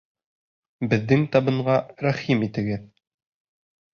Беҙҙең табынға рәхим итегеҙ!